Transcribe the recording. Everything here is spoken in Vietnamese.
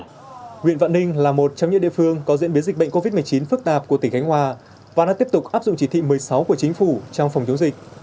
tuy nhiên huyện vạn ninh là một trong những địa phương có diễn biến dịch bệnh covid một mươi chín phức tạp của tỉnh khánh hòa và đang tiếp tục áp dụng chỉ thị một mươi sáu của chính phủ trong phòng chống dịch